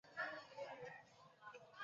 最常用的是差速驱动控制。